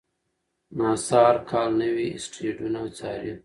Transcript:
ناسا هر کال نوي اسټروېډونه څاري.